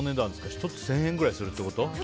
１つ１０００円くらいするってこと？